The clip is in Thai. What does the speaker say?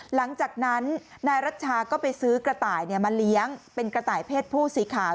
หลังจากนั้นนายรัชชาก็ไปซื้อกระต่ายมาเลี้ยงเป็นกระต่ายเพศผู้สีขาว